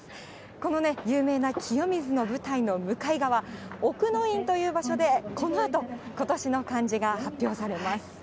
この有名な清水の舞台の向かい側、奥の院という場所で、このあと、今年の漢字が発表されます。